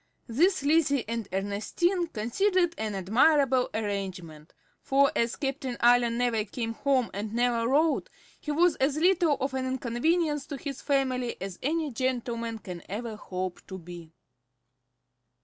This Lizzie and Ernestine considered an admirable arrangement; for, as Captain Allen never came home and never wrote, he was as little of an inconvenience to his family as any gentleman can ever hope to be.